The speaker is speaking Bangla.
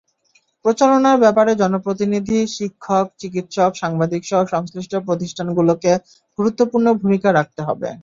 প্রচারণার ব্যাপারে জনপ্রতিনিধি, শিক্ষক, চিকিৎসক, সাংবাদিকসহ সংশ্লিষ্ট প্রতিষ্ঠানগুলোকে গুরুত্বপূর্ণ ভূমিকা রাখতে হবে।